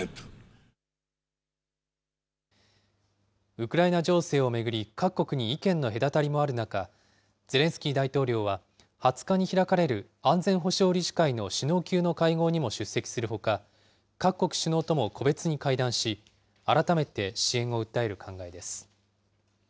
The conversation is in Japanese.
ウクライナ情勢を巡り、各国に意見の隔たりもある中、ゼレンスキー大統領は、２０日に開かれる安全保障理事会の首脳級の会合にも出席するほか、各国首脳とも個別に会談し、改めて支援を訴える考えです。